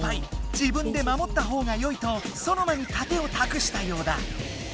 自分でまもったほうがよいとソノマに盾をたくしたようだ。